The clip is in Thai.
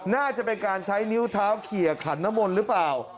น่าจะเป็นการใช้นิ้วเท้าเขียขันนมลหรือเปล่า